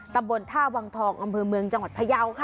ตำบลท่าวังทองอเมืองจังหวัดพระเยาอ์ค่ะ